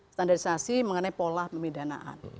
standarisasi mengenai pola pemidanaan